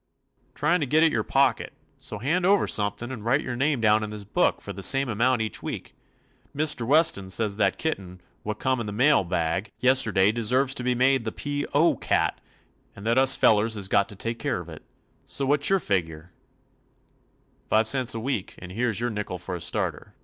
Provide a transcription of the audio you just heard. "Tryin' to get at your pocket. So hand over something and write your name down in this book for the same amount each week. Mr. Weston says that kitten what come in the mail bag 40 'How much do you contribute?" asked Ben. T» LJ:.. TOMMY POSTOFFICE yesterday deserves to be made the P. O. cat, and that us fellers has got to take care of it. So what 's your fig ure?' "Five cents a week, and here 's your nickel for a starter.